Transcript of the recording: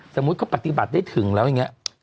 สมมุติเขาปฏิบัติได้ถึงแล้วอย่างนี้